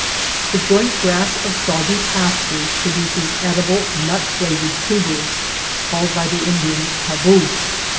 The joint grass of soggy pastures produces edible, nut flavored tubers, called by the Indians taboose.